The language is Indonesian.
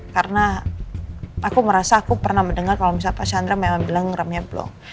karena aku merasa aku pernah mendengar kalau misalnya pak candra memang bilang remnya blong